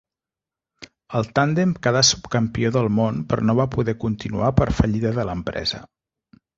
El tàndem quedà subcampió del món però no va poder continuar per fallida de l'empresa.